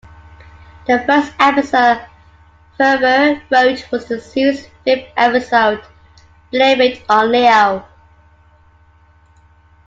The first episode Faerber wrote was the series' fifth episode, "Blame It On Leo".